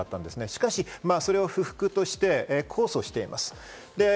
しかしそれを不服として控訴しています。